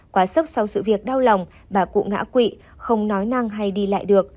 quá sốc sau sự việc đau lòng bà cụ ngã quỵ không nói năng hay đi lại được